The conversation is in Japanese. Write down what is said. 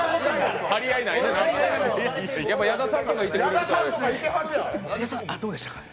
やっぱり矢田さんとかいてはるとね。